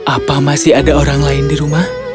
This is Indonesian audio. apa masih ada orang lain di rumah